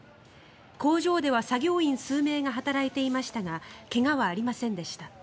工場では作業員数名が働いていましたが怪我はありませんでした。